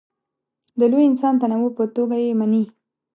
د لوی انساني تنوع په توګه یې مني.